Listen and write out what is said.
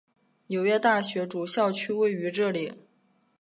纽约大学主校区位于这里。